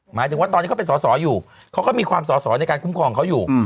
หมายถึงว่าตอนนี้เขาเป็นสอสออยู่เขาก็มีความสอสอในการคุ้มครองเขาอยู่